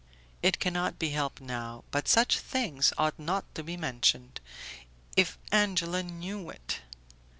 "It cannot be helped now, but such things ought not to be mentioned. If Angela knew it!"